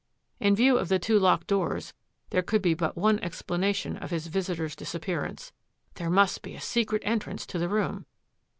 In view of the two locked doors, there could be but one explanation of his visitor's disappearance. There must be a secret entrance to the room!